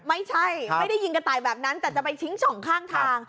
ไม่ใช่ไม่ได้ยิงกระต่ายแบบนั้นแต่จะไปทิ้งช่องข้างทาง